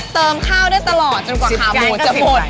เติมข้าวได้ตลอดจนกว่าขาหมูจะหมด